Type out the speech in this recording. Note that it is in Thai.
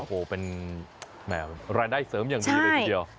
โอ้โหเป็นรายได้เสริมอย่างดีเลยทีเดียว